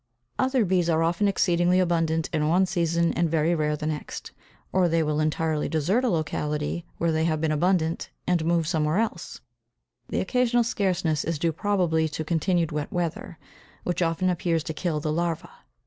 Other bees are often exceedingly abundant in one season and very rare the next, or they will entirely desert a locality where they have been abundant, and move somewhere else the occasional scarceness is due probably to continued wet weather, which often appears to kill the larvæ.